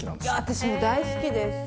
私も大好きです。